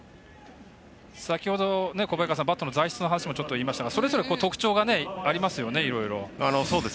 先ほどバットの材質の話も言いましたがそれぞれ、特徴がありますよねいろいろと。